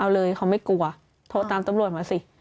เอาเลยเขาไม่กลัวโทรตามตำรวจมาสิ